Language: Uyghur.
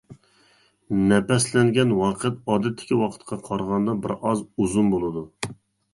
نەپەسلەنگەن ۋاقىت ئادەتتىكى ۋاقىتقا قارىغاندا بىر ئاز ئۇزۇن بولىدۇ.